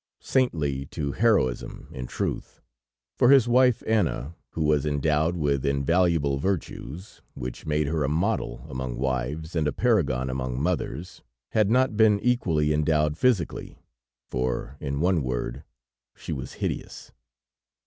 Saintly to heroism in truth! For his wife Anna, who was endowed with invaluable virtues, which made her a model among wives and a paragon among mothers, had not been equally endowed physically, for, in one word, she was hideous.